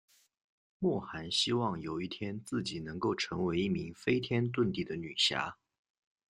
莫涵希望有一天自己能够成为一名飞天遁地的女侠。